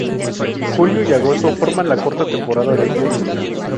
Julio y agosto forman la corta temporada de lluvias.